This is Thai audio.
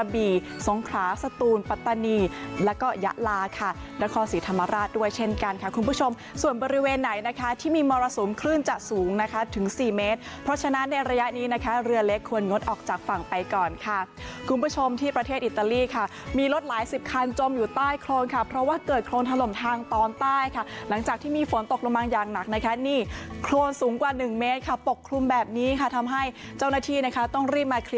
บริเวณไหนนะคะที่มีมรสมคลื่นจะสูงนะคะถึงสี่เมตรเพราะฉะนั้นในระยะนี้นะคะเรือเล็กควรงดออกจากฝั่งไปก่อนค่ะคุณผู้ชมที่ประเทศอิตาลีค่ะมีรถหลายสิบคันจมอยู่ใต้โครงค่ะเพราะว่าเกิดโครงถล่มทางตอนใต้ค่ะหลังจากที่มีฝนตกลงมาอย่างหนักนะคะนี่โครงสูงกว่าหนึ่งเมตรค่ะปกคลุมแบบนี้ค่ะทํ